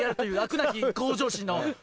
なき向上心の。